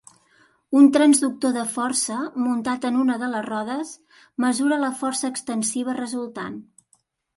Un transductor de força muntat en una de les rodes, mesura la força extensiva resultant.